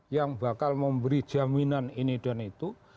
yang bakal memberi jaminan ini dan itu